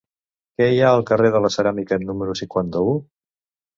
Què hi ha al carrer de la Ceràmica número cinquanta-u?